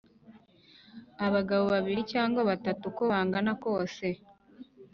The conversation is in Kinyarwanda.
Abagabo babiri cyangwa batatu uko bangana kose